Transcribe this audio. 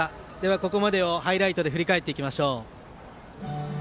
ここまでをハイライトで振り返っていきましょう。